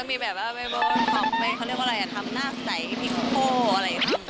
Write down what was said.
มันมีแบบว่าไม่บอกของเขาเรียกว่าอะไรทำหน้าใสพิโภอะไรอย่างนี้